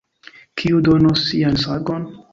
Kiu donos sian sangon?